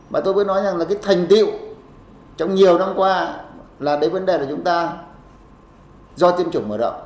mà tôi mới nói rằng là cái thành tiệu trong nhiều năm qua là cái vấn đề mà chúng ta do tiêm chủng mở rộng